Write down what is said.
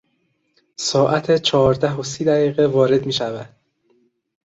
ساعت چهارده و سی دقیقه وارد میشود.